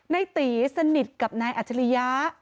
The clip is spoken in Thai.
ในตีสนิทกับนายอัจฉริยะ